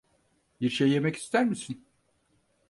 Bir şey yemek ister misin?